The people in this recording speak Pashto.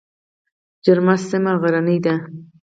جرم سیمه غرنۍ ده؟